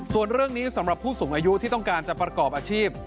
ส่วนเรื่องนี้สำหรับผู้สูงอายุที่ต้องการจะประกอบอาชีพ